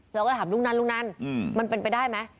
เราก็ถามลุงนันมันเป็นไปได้ไหม